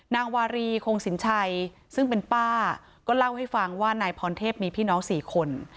นางวารีคงสินชัยซึ่งเป็นป้าก็เล่าให้ฟังว่านายพรเทพมีพี่น้อง๔คน